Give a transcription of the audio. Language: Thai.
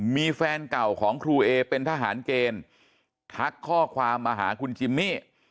มีแฟนเก่าของครูเอเป็นทหารเกณฑ์ทักข้อความมาหาคุณจิมมี่